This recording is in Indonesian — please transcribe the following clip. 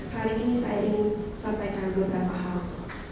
hari ini saya ingin sampaikan beberapa hal